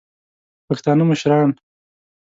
پښتانه مشران